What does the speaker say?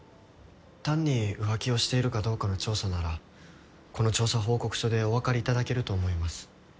単に浮気をしているかどうかの調査ならこの調査報告書でお分かりいただけると思います。